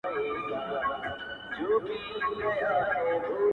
• هر انسان لره معلوم خپل عاقبت وي -